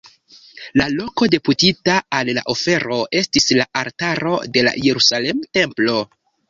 La loko deputita al la ofero estis la altaro de la Jerusalema templo.